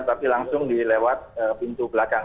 tapi langsung dilewat pintu belakang